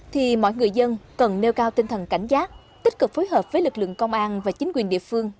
thì mọi người dân cần nêu cao tinh thần cảnh giác tích cực phối hợp với lực lượng công an và chính quyền địa phương